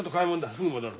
すぐ戻る。